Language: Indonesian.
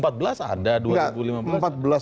tapi dua ribu empat belas ada dua ribu lima belas